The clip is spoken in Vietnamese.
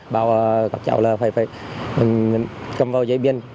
bảo các cháu là phải cầm vào giấy biến